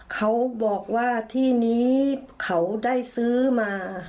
เขาบอกว่าที่นี้เขาได้ซื้อมา